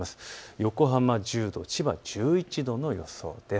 横浜１０度、千葉１１度の予想です。